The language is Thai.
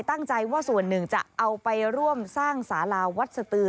ตั้งใจว่าส่วนหนึ่งจะเอาไปร่วมสร้างสาราวัดสตือ